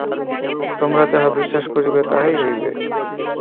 তোমরা যাহা বিশ্বাস করিবে, তাহাই হইবে।